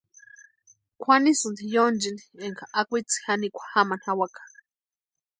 Kwʼanisïnti yonchini énka akwitsi janikwa jamani jawaka.